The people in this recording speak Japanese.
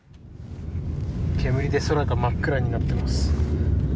煙で空が真っ暗になっています。